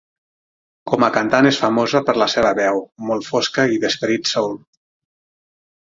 Com a cantant és famosa per la seva veu molt fosca i d'esperit soul.